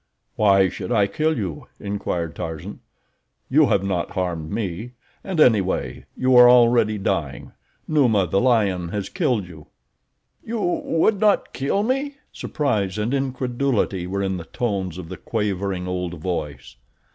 "Why should I kill you?" inquired Tarzan. "You have not harmed me, and anyway you are already dying. Numa, the lion, has killed you." "You would not kill me?" Surprise and incredulity were in the tones of the quavering old voice.